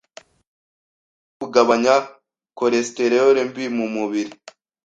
no kugabanya cholesterol mbi mu mubiri,